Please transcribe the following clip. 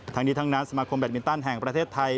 ทั้งนี้ทั้งนั้นสมาคมแดดมินตันแห่งประเทศไทย